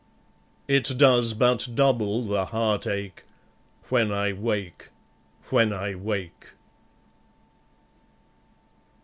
It does but double the heart ache When I wake, when I wake.